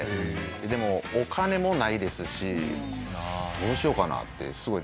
でもお金もないですしどうしようかなってすごい悩んでた時ですね。